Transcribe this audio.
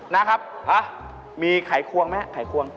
น๊าครับมีไขไขวงไหมไขไขวง